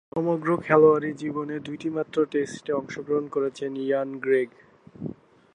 সমগ্র খেলোয়াড়ী জীবনে দুইটিমাত্র টেস্টে অংশগ্রহণ করেছেন ইয়ান গ্রেগ।